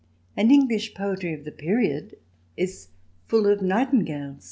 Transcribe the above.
And English poetry of the period is full of nightingales.